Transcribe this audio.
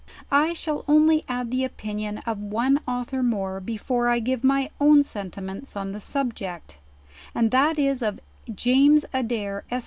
I shall only add the opinion of one auiher more, before 1 give my own sentiments on the subject, and that is of James Adair, Esq.